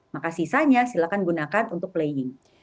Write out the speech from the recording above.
maka sisanya silakan gunakan untuk playing